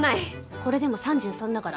これでも３３だから。